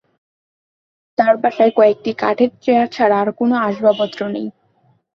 তার বাসায় কয়েকটি কাঠের চেয়ার ছাড়া আর কোনও আসবাবপত্র নেই।